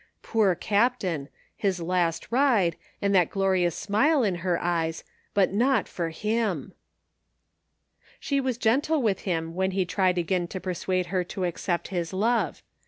Poor Cai)tain, his last ride, and that glorious smile in her eyes, but not for him ! She was gentle with him when he tried again to persuade her to accept his love.